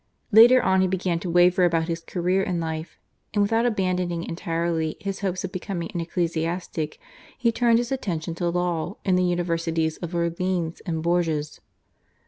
Later on he began to waver about his career in life, and without abandoning entirely his hopes of becoming an ecclesiastic he turned his attention to law in the Universities of Orleans and Bourges.